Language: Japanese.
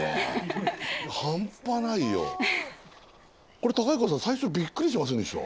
これ公彦さん最初びっくりしませんでした？